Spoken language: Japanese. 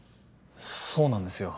そうなんですよ